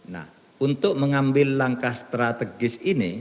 nah untuk mengambil langkah strategis ini